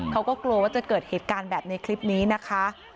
เขาก็กลัวว่าจะเกิดเหตุการณ์แบบในคลิปนี้นะคะ